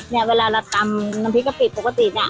เนี่ยเวลาเราตำน้ำพริกกะปิปกติอ่ะ